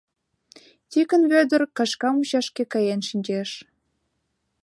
— Тикын Вӧдыр кашка мучашке каен шинчеш.